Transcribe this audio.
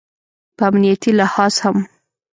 په امنیتي لحاظ هم